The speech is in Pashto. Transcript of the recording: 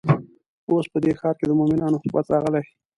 اوس په دې ښار کې د مؤمنانو حکومت راغلی.